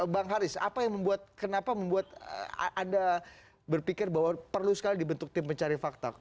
bang haris apa yang membuat kenapa membuat anda berpikir bahwa perlu sekali dibentuk tim pencari fakta